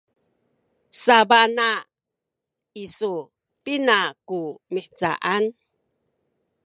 sabana isu pina ku mihcaan?